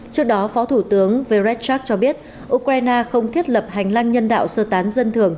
trước đó phó thủ tướng verechak cho biết ukraine không thiết lập hành lang nhân đạo sơ tán dân thường